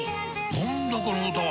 何だこの歌は！